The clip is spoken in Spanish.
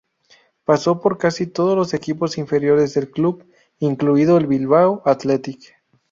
Pasó por casi todos los equipos inferiores del club, incluido el Bilbao Athletic.